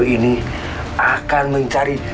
ini akan mencari